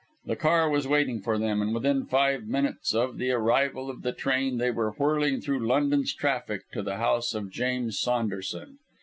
The car was waiting for them; and within five minutes of the arrival of the train they were whirling through London's traffic to the house of James Saunderson.